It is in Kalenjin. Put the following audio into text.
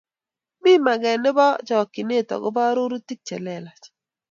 mi maget nebo chokchine akobo arorutik chelelach